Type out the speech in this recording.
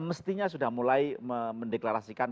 mestinya sudah mulai mendeklarasikan